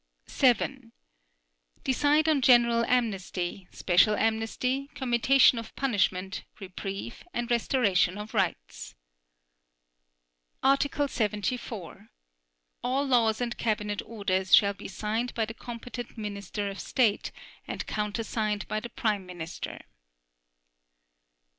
(vii) Decide on general amnesty, special amnesty, commutation of punishment, reprieve, and restoration of rights. Article 74. All laws and cabinet orders shall be signed by the competent Minister of state and countersigned by the Prime Minister.